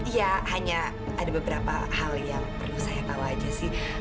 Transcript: ya hanya ada beberapa hal yang perlu saya tahu aja sih